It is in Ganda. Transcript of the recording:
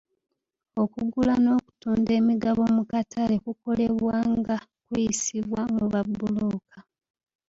Okugula n'okutunda emigabo mu katale kukolebwa nga kuyisibwa mu ba bbulooka.